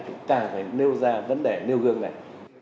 càng phải nêu ra vấn đề nêu gương này